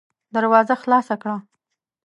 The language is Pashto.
دروازه خلاصه کړه!